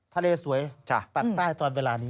ทะเลสวยปักใต้ตอนเวลานี้